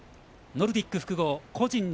ノルディック複合個人